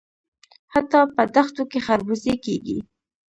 حتی په دښتو کې خربوزې کیږي.